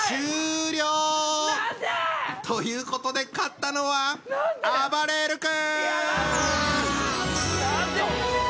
何で！ということで勝ったのはあばれる君！